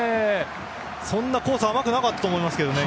そんなコースは甘くなかったと思いますけどね。